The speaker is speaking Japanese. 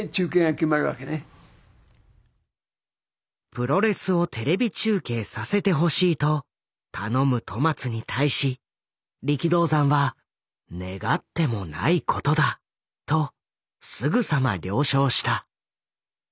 「プロレスをテレビ中継させてほしい」と頼む戸松に対し力道山はとすぐさま了承した。